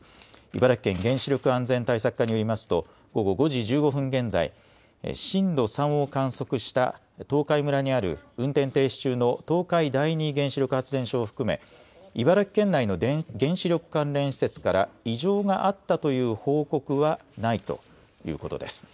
茨城県原子力安全対策課によりますと、午後５時１５分現在、震度３を観測した東海村にある運転停止中の東海第二原子力発電所を含め、茨城県内の原子力関連施設から異常があったという報告はないということです。